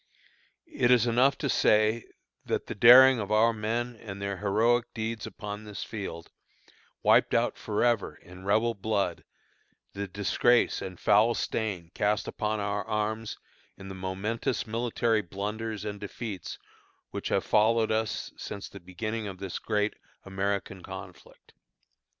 It is enough to say, that the daring of our men and their heroic deeds upon this field, wiped out forever, in Rebel blood, the disgrace and foul stain cast upon our arms in the momentous military blunders and defeats which have followed us since the beginning of this great American conflict.